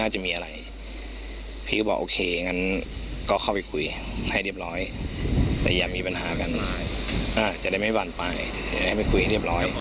จะได้ไม่บานปลายจะได้ไม่คุยให้เรียบร้อย